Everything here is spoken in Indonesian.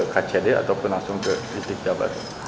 kcd ataupun langsung ke bisnis jabatan